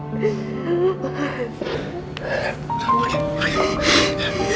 menurut nomor berikut ini